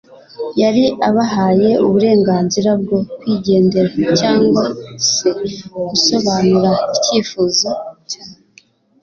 Yari abahaye uburenganzira bwo kwigendera cyangwa se gusobanura icyifuzo cyabo.